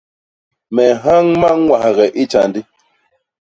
Me nhañ mañwahge i tjandi.